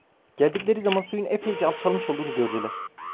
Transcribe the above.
Geldikleri zaman suyun epeyce alçalmış olduğunu gördüler…